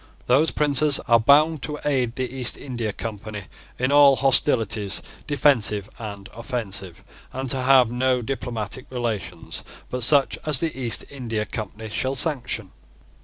Those princes are bound to aid the East India Company in all hostilities, defensive and offensive, and to have no diplomatic relations but such as the East India Company shall sanction.